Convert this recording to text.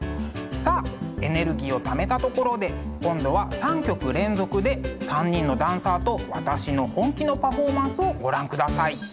さあエネルギーをためたところで今度は３曲連続で３人のダンサーと私の本気のパフォーマンスをご覧ください。